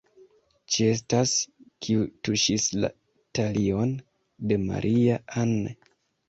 ci estas, kiu tuŝis la talion de Maria-Ann!